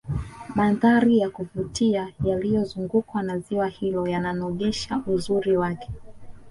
mandhari ya kuvutia yaliozungukwa na ziwa hilo yananogesha uzuri wake